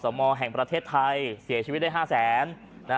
อสมแห่งประเทศไทยเสียชีวิตได้๕๐๐๐๐๐บาท